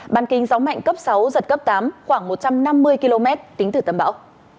bàn kính gió mạnh cấp sáu giật cấp tám khoảng một trăm năm mươi km tính từ tâm báo